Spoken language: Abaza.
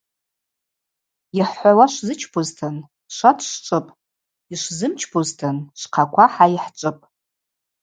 Йхӏхӏвауа швзычпузтын – шва дшвчӏвыпӏ, йшвзымчпузтын – швхъаква хӏа йхӏчӏвыпӏ.